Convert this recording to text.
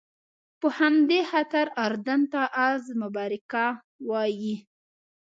په همدې خاطر اردن ته ارض مبارکه وایي.